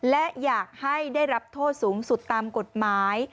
และอยากให้ได้รับโทษสูงสุดตามกฎหมาย